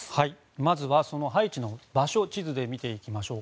まずは、ハイチの場所を地図で見ていきましょう。